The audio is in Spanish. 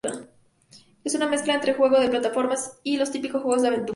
Era una mezcla entre un juego de plataformas y los típicos juegos de aventuras.